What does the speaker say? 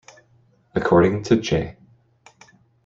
According to J.